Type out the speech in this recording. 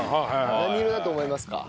何色だと思いますか？